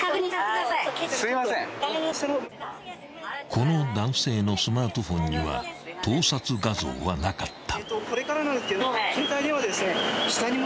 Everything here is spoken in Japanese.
［この男性のスマートフォンには盗撮画像はなかった］